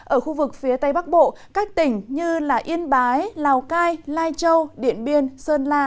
ở khu vực phía tây bắc bộ các tỉnh như yên bái lào cai lai châu điện biên sơn la